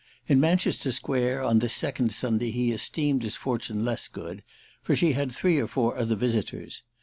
In Manchester Square on this second Sunday he esteemed his fortune less good, for she had three or four other visitors.